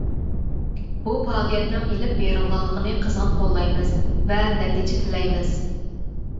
بۇ پائالىيەتنىڭ ئېلىپ بېرىلغانلىقىنى قىزغىن قوللايمىز ۋە نەتىجە تىلەيمىز.